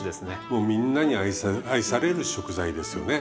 もうみんなに愛される食材ですよね。